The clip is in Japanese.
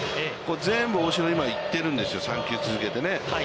全部大城、今行ってるんですよ、３球続けてね。